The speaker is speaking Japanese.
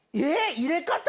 入れ方？